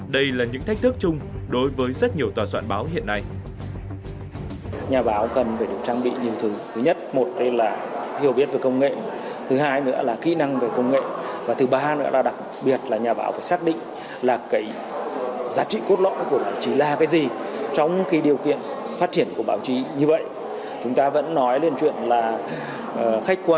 đây là những thách thức chung đối với rất nhiều tòa soạn báo hiện nay